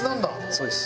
そうです。